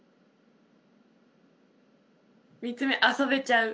３つ目遊べちゃう。